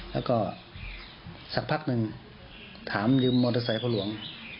แล้วก็สักพักหนึ่งถามลืมมอเตอร์ไซค์ของหลวง